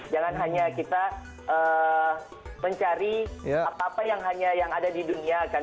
jangan hanya kita mencari apa apa yang hanya yang ada di dunia kan